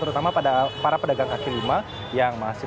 terutama pada para pedagang kaki lima yang masih